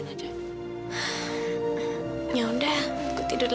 enggak kamu juga tidur lagi